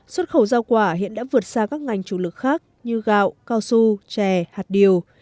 xuất khẩu giao quả hiện đã vượt xa các ngành chủ lực khác như gạo cao su chè